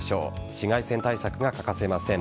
紫外線対策が欠かせません。